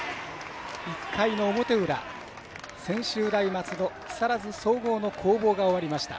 １回の表裏、専修大松戸木更津総合の攻防が終わりました。